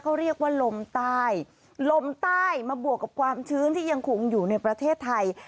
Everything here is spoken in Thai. เขาเรียกว่าลมใต้ลมใต้มาบวกกับความชื้นที่ยังคงอยู่ในประเทศไทย